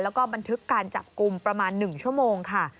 แล้วก็บันทึกการจับกลุ่มประมาณ๑ชั่วโมงค่ะ